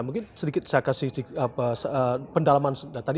mungkin sedikit saya kasih pendalaman tadi